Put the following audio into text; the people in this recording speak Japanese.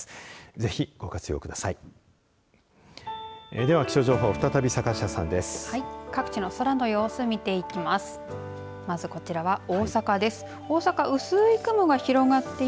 ぜひご活用ください。